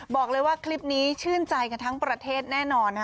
บอกเลยว่าคลิปนี้ชื่นใจกันทั้งประเทศแน่นอน